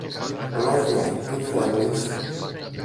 Λέγε, τι θέλεις;